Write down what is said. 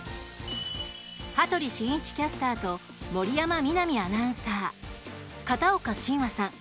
羽鳥慎一キャスターと森山みなみアナウンサー片岡信和さん